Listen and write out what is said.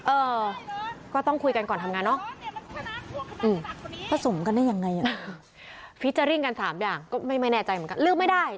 เอ้าก็ต้องคุยกันก่อนทำงานเนาะ